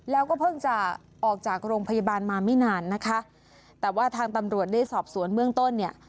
แล้วก็เพิ่งจะออกจากโรงพยาบาลมาไม่นานนะคะแต่ว่าทางตำรวจได้สอบสวนเบื้องต้นเนี่ย